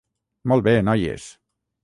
Molt bé, noies!